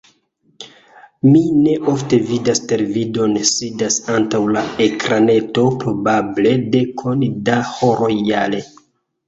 Mi neofte vidas televidon, sidas antaŭ la ekraneto probable dekon da horoj jare.